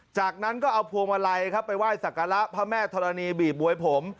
จากนั้นก็เอาพวงมาลัยครับไปไหว้สักการะพระแม่ธรณีบีบมวยผม